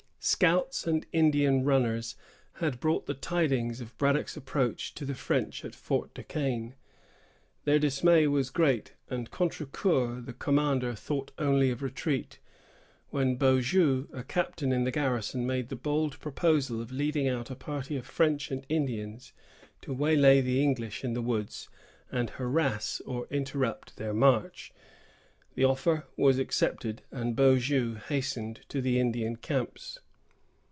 Scouts and Indian runners had brought the tidings of Braddock's approach to the French at Fort du Quesne. Their dismay was great, and Contrecœur, the commander, thought only of retreat; when Beaujeu, a captain in the garrison, made the bold proposal of leading out a party of French and Indians to waylay the English in the woods, and harass or interrupt their march. The offer was accepted, and Beaujeu hastened to the Indian camps.